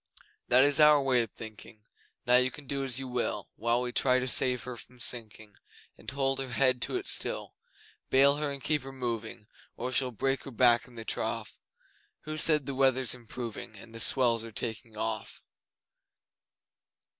That is our way of thinking, Now you can do as you will, While we try to save her from sinking, And hold her head to it still. Bale her and keep her moving, Or she'll break her back in the trough... Who said the weather's improving, And the swells are taking off?